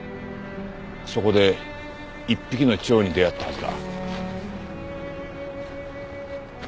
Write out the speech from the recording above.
そこで一匹の蝶に出会ったはずだ。